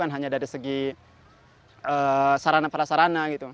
hanya dari segi sarana perasarana gitu